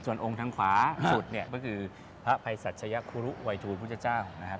ส่วนองค์ทางขวาสุดเนี่ยก็คือพระภัยสัชยคุรุวัยทูลพุทธเจ้านะครับ